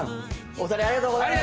お二人ありがとうございました。